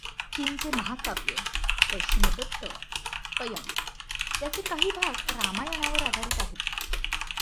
चीनचे महाकाव्य पश्चिमदत्त पयण याचे काही भाग रामायणावर आधारित आहेत.